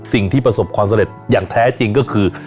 สิ่งที่ประสบความสำเร็จอย่างแท้จริงก็คือ